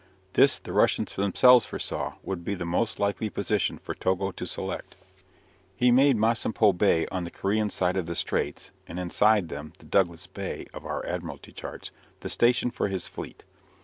This the Russians themselves foresaw would be the most likely position for Togo to select. He made Masampho Bay on the Korean side of the straits, and inside them (the "Douglas Bay" of our Admiralty Charts), the station for his fleet.